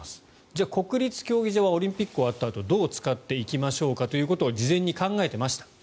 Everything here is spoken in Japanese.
じゃあ、国立競技場はオリンピックが終わったあとどう使っていきましょうかということを事前に考えていました。